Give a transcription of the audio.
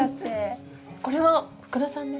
これは福田さんですか？